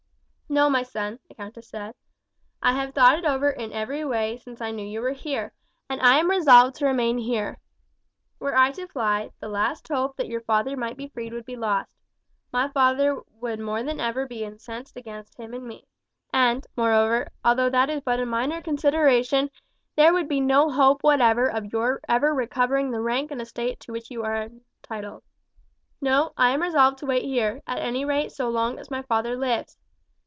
"No, my son," the countess said. "I have thought it over in every way since I knew you were here, and I am resolved to remain here. Were I to fly, the last hope that your father might be freed would be lost. My father would be more than ever incensed against him and me; and, moreover, although that is but a minor consideration, there would be no hope whatever of your ever recovering the rank and estate to which you are entitled. No, I am resolved to wait here, at any rate so long as my father lives.